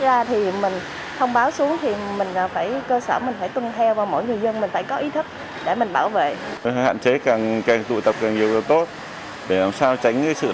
giữ khoảng cách